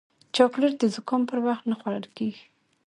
چاکلېټ د زکام پر وخت نه خوړل کېږي.